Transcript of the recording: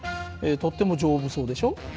とっても丈夫そうでしょ？